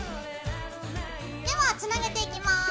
ではつなげていきます。